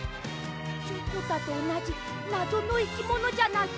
チョコタとおなじなぞのいきものじゃないか。